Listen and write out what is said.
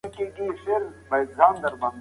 ډاکټر ټاس وايي د ماشومانو د مسمومیت شمېر زیات شوی.